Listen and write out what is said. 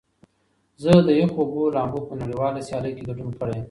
زه د یخو اوبو لامبو په نړیواله سیالۍ کې ګډون کړی یم.